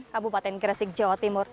kabupaten gresik jawa timur